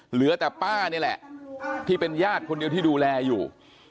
เหลือแต่ป้านี่แหละที่เป็นญาติคนเดียวที่ดูแลอยู่